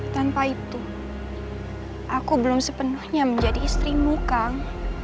tanpa itu aku belum sepenuhnya menjadi istrimu kang